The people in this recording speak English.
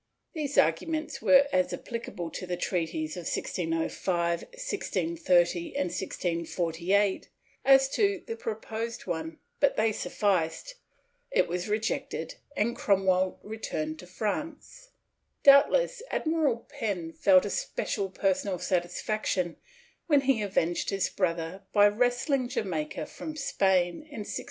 These arguments were as applicable to the treaties of 1605, 1630, and 1648 as to the proposed one, but they sufficed; it was rejected, and Cromwell turned to France.^ Doubtless Admiral Penn felt a special personal satisfaction, when he avenged his brother by wresting Jamaica from Spain in 1655.